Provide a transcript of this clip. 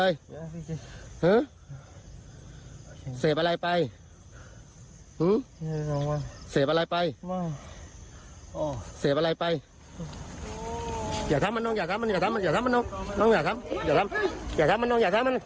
อย่าทำมันน้องอย่าทำมัน